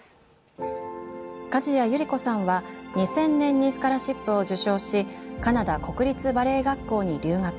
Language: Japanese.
加治屋百合子さんは２０００年にスカラシップを受賞しカナダ国立バレエ学校に留学。